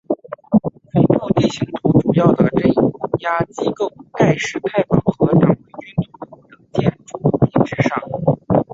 恐怖地形图主要的镇压机构盖世太保和党卫军总部的建筑遗址上。